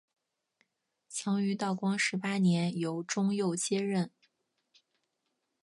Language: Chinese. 曾于道光十八年由中佑接任。